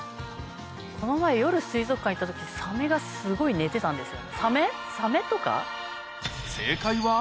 この前夜水族館行った時サメがすごい寝てたんですよ。